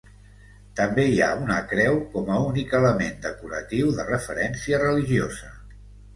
També hi ha una creu com a únic element decoratiu de referència religiosa.